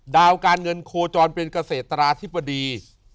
ดาวการเงินโคจรเป็นเกษตราธิบดี